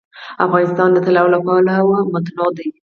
افغانستان د طلا له پلوه متنوع دی.